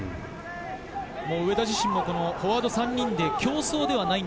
上田自身もフォワード３人で競争ではない。